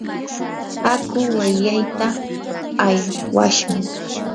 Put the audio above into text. aku wayllayta aywashun.